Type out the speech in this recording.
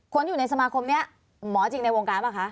คนที่อยู่ในสมาคมนี้หมอจริงในวงการป่ะคะ